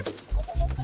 aduh mau kali